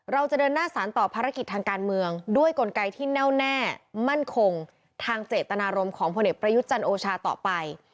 เราจะเดินหน้าสารต่อภารกิจทางการเมืองด้วยกลไกที่แน่วแน่มั่นคงทางเจตนารมณ์ของพลเอกประยุทธ์จันทร์โอชาต่อไป